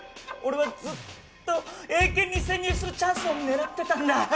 俺はずっと映研に潜入するチャンスを狙ってたんだ。